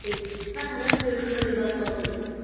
هر حالت کې ښه لباس واغونده.